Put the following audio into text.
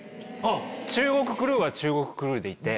中国クルーは中国クルーでいて。